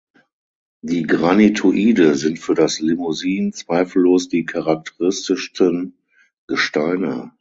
Die Granitoide sind für das Limousin zweifellos die charakteristischsten Gesteine.